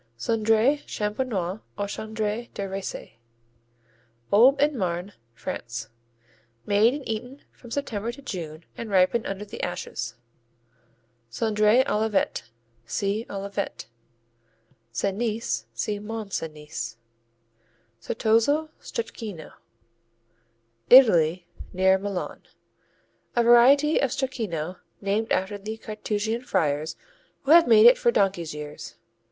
Cendré Champenois or Cendré des Riceys Aube & Marne, France Made and eaten from September to June, and ripened under the ashes. Cendré Olivet see Olivet. Cenis see Mont Cenis. Certoso Stracchino Italy, near Milan A variety of Stracchino named after the Carthusian friars who have made it for donkey's years.